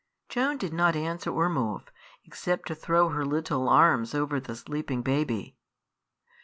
Joan did not answer or move, except to throw her little arms over the sleeping baby.